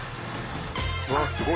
うわっすごい！